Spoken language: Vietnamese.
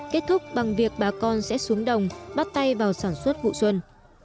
kết thúc bằng việc bà con sẽ xuống đồng bắt tay vào sản xuất vụ xuân